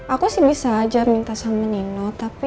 aku sih bisa ajak minta sama nino tapi